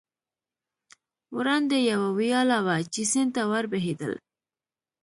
وړاندې یوه ویاله وه، چې سیند ته ور بهېدل.